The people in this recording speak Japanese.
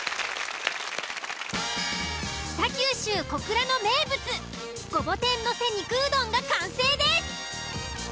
北九州・小倉の名物ごぼ天載せ肉うどんが完成です！